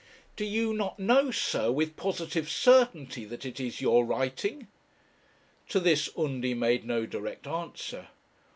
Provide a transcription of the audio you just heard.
'Do you not know, sir, with positive certainty that it is your writing?' To this Undy made no direct answer.